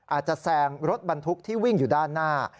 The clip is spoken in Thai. อาจจะแซงรถบรรทุกที่วิ่งอยู่ด้านหน้า